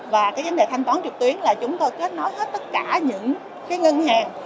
và cái vấn đề thanh toán trực tuyến là chúng tôi kết nối hết tất cả những cái ngân hàng